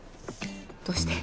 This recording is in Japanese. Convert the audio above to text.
どうして？